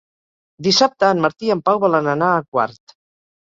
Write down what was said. Dissabte en Martí i en Pau volen anar a Quart.